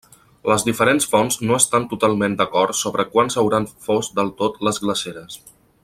Les diferents fonts no estan totalment d'acord sobre quan s'hauran fos del tot les glaceres.